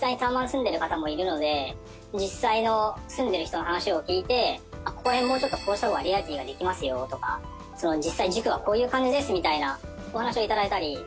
実際の住んでる人の話を聞いてここら辺もうちょっとこうした方がリアリティーができますよとか実際塾はこういう感じですみたいなお話を頂いたり。